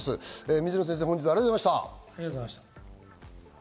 水野先生、ありがとうございました。